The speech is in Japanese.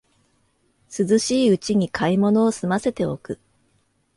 涼しいうちに買い物をすませておく